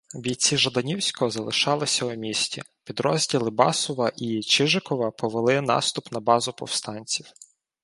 Бійці Жаданівського залишилися у місті, підрозділи Басова і Чіжикова повели наступ на базу повстанців.